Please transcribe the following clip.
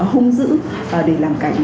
hung dữ để làm cảnh